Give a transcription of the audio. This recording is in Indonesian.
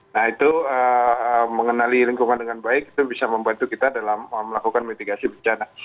nah itu mengenali lingkungan dengan baik itu bisa membantu kita dalam melakukan mitigasi bencana